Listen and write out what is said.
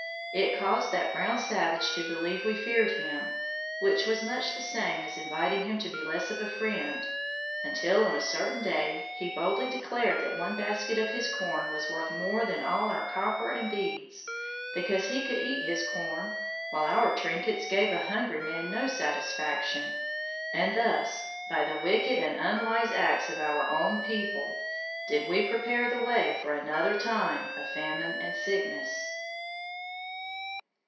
It caused that brown savage to believe we feared him, which was much the same as inviting him to be less of a friend, until on a certain day he boldly declared that one basket of his corn was worth more than all our copper and beads, because he could eat his corn, while our trinkets gave a hungry man no satisfaction. And thus, by the wicked and unwise acts of our own people, did we prepare the way for another time of famine and sickness.